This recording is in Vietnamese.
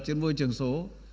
trên môi trường số